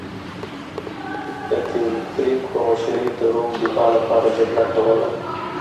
د تیودوریک په مشرۍ د روم دفاع لپاره جګړه کوله